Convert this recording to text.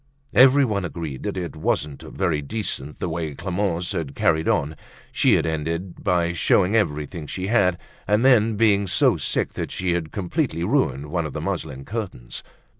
Everyone agreed that it wasn't very decent the way Clemence had carried on. She had ended by showing everything she had and then been so sick that she had completely ruined one of the muslin curtains.